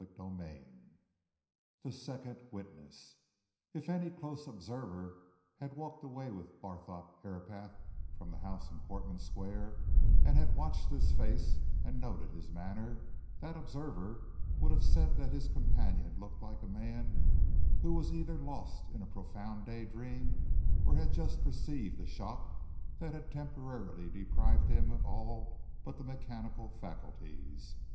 CHAPTER VIII THE SECOND WITNESS If any close observer had walked away with Barthorpe Herapath from the house in Portman Square and had watched his face and noted his manner, that observer would have said that his companion looked like a man who was either lost in a profound day dream or had just received a shock that had temporarily deprived him of all but the mechanical faculties.